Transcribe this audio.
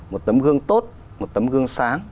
một tấm gương tốt một tấm gương sáng